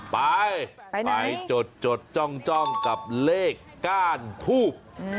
ไปไปจดจ้องกับเลขก้านทูบ